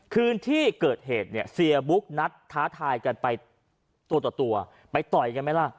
คืนที่เกิดเหตุเสียบุ๊กนัดท้าทายกันไปตัวไปต่อยกันไหมล่ะ